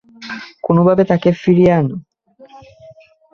কোনভাবে তাকে ফিরিয়ে আন!